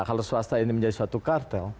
kalau swasta ini menjadi suatu kartel